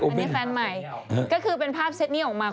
ก็คือเป็นภาพเซ็ตอันสตินี้ออกมา